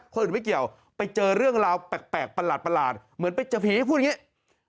คนอื่นไม่เกี่ยวไปเจอเรื่องราวแปลกประหลาดเหมือนไปเจอผีให้พูดอย่างนี้